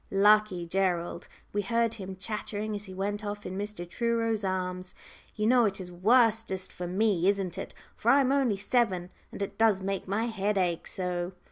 Lucky Gerald! we heard him chattering as he went off in Mr. Truro's arms. "You know it is worstest for me, isn't it? for I'm only seven, and it does make my head ache so."